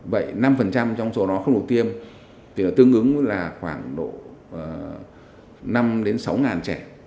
vậy năm trong số đó không được tiêm thì tương ứng là khoảng năm sáu trẻ